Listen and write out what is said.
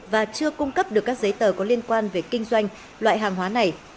và chưa cung cấp được các giấy tờ có liên quan về kinh doanh loại hàng hóa này